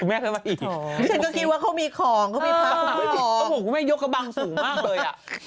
ฉันก็คิดว่าเขามีของเขามีผ้าผมก็ไม่ยกกะบังสูงมากเลย